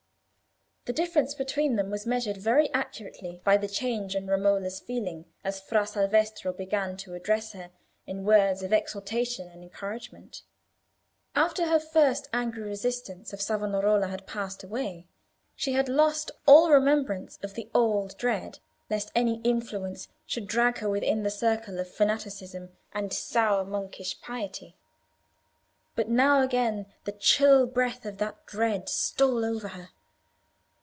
The difference between them was measured very accurately by the change in Romola's feeling as Fra Salvestro began to address her in words of exhortation and encouragement. After her first angry resistance of Savonarola had passed away, she had lost all remembrance of the old dread lest any influence should drag her within the circle of fanaticism and sour monkish piety. But now again, the chill breath of that dread stole over her.